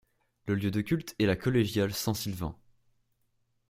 Le lieu de culte est la collégiale Saint-Sylvain.